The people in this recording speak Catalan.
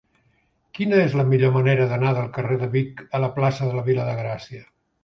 Quina és la millor manera d'anar del carrer de Vic a la plaça de la Vila de Gràcia?